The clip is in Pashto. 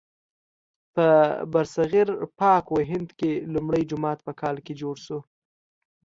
په برصغیر پاک و هند کې لومړی جومات په کال کې جوړ شو.